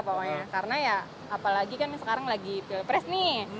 pokoknya karena ya apalagi kan sekarang lagi pilpres nih